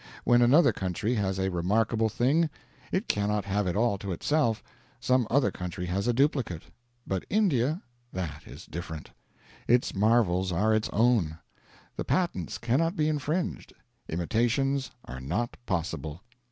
When another country has a remarkable thing, it cannot have it all to itself some other country has a duplicate. But India that is different. Its marvels are its own; the patents cannot be infringed; imitations are not possible.